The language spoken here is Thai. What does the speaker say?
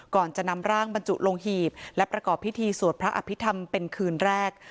ก่อนจะนำร่างบรรจุลงหีบและประกอบพิธีสวดพระอภิษฐรรมเป็นคืนแรก